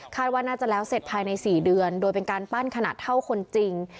ว่าน่าจะแล้วเสร็จภายใน๔เดือนโดยเป็นการปั้นขนาดเท่าคนจริง